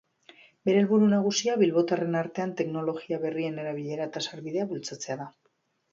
Bere helburu nagusia bilbotarren artean teknologia berrien erabilera eta sarbidea bultzatzea da.